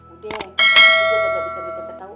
udah udah gak bisa ditepat tau